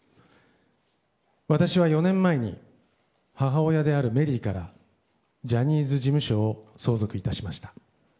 私は４年前に母親であるメリーからジャニーズ事務所を相続いたしました。